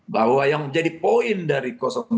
bahwa yang jadi poin dari dua